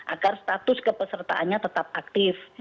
agar status kepesertaannya tetap aktif